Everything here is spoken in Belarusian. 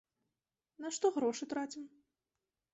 На што грошы трацім?